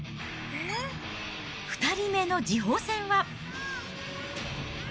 ２人目の次鋒戦は。